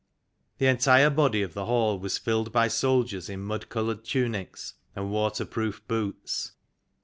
The entire body of the Hall was filled by soldiers in mud coloured tunics and waterproof boots.